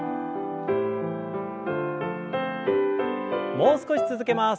もう少し続けます。